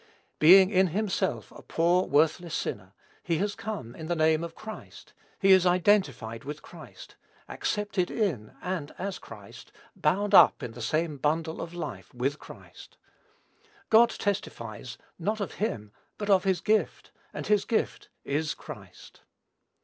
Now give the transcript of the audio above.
Being in himself a poor worthless sinner, he has come in the name of Christ, he is identified with Christ, accepted in and as Christ, bound up in the same bundle of life with Christ. God testifies, not of him, but of his gift, and his gift is Christ.